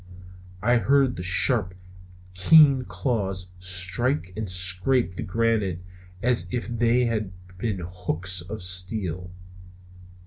I heard the sharp, keen claws strike and scrape on the granite as if they had been hooks of steel.